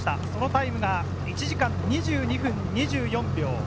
そのタイムが１時間２２分２４秒。